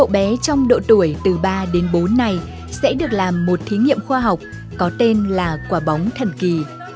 bé trong độ tuổi từ ba đến bốn này sẽ được làm một thí nghiệm khoa học có tên là quả bóng thần kỳ